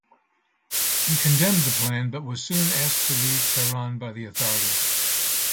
He condemned the plan, but was soon asked to leave Tehran by the authorities.